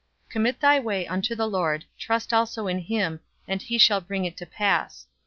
"Commit thy way unto the Lord; trust also in him, and he shall bring it to pass."